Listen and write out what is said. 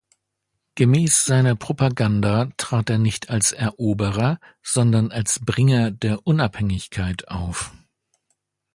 Gemäß seiner Propaganda trat er nicht als Eroberer, sondern als Bringer der Unabhängigkeit auf.